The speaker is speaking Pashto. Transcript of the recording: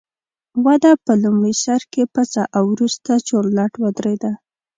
وده په لومړي سر کې پڅه او وروسته چورلټ ودرېده